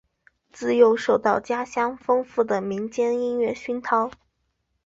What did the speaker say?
自幼受到家乡丰富的民间音乐熏陶。